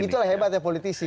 itulah hebat ya politisi